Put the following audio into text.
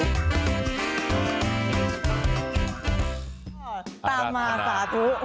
ก็ตามมาสาธุ